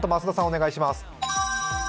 お願いします。